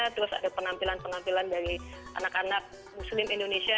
terus ada penampilan penampilan dari anak anak muslim indonesia